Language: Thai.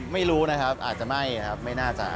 ไม่รู้นะครับอาจจะไม่ครับไม่น่าจะ